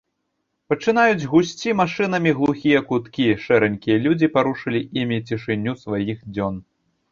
Пачынаюць гусці машынамі глухія куткі, шэранькія людзі парушылі імі цішыню сваіх дзён.